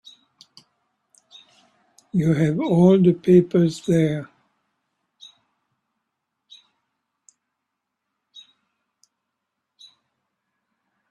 You have all the papers there.